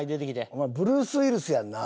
お前ブルース・ウィリスやんな？